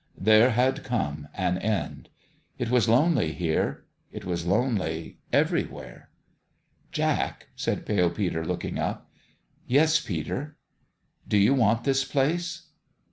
There had come an end. It was lonely there it was lonely everywhere. "Jack!" said Pale Peter, looking up. "Yes, Peter?" " Do you want this place